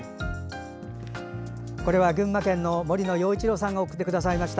これは群馬県の森野洋一郎さんが送ってくださいました。